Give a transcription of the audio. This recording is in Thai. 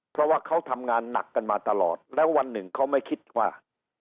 เพราะว่าเขาทำงานหนักกันมาตลอดแล้ววันหนึ่งเขาไม่คิดว่า